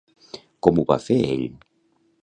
Com ho va fer ell?